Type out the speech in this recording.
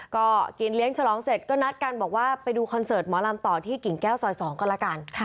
ก็กินเลี้ยงฉลองเสร็จก็นัดกันบอกว่าไปดูคอนเสิร์ตหมอลำต่อที่กิ่งแก้วซอย๒ก็แล้วกัน